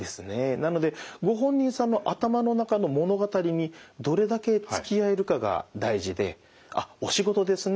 なのでご本人さんの頭の中の物語にどれだけつきあえるかが大事で「あっお仕事ですね。